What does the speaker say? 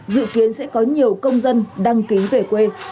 dự kiến sẽ có nhiều công dân đăng ký về công dân